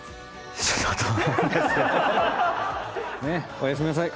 おやすみなさい。